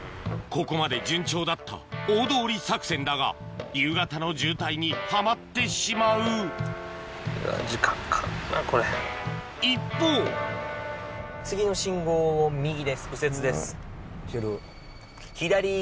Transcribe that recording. ここまで順調だった大通り作戦だが夕方の渋滞にはまってしまう一方次の信号を右です右折です。